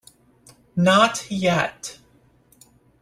Not yet.